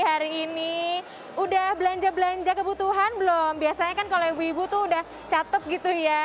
hari ini udah belanja belanja kebutuhan belum biasanya kan kalau ibu ibu tuh udah catet gitu ya